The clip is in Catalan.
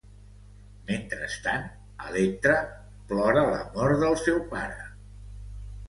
Mentrestant, Electra plora la mort del seu pare.